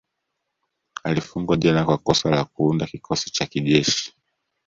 Alifungwa jela kwa kosa la Kuunda kikosi cha kijeshi